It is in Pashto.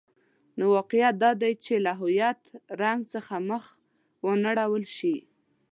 نو واقعیت دادی چې له هویت رنګ څخه مخ وانه ړول شي.